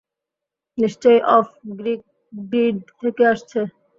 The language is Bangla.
নিশ্চয়ই অফ-গ্রিড থেকে আসছে।